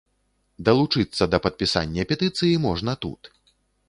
Далучыцца да падпісання петыцыі можна тут.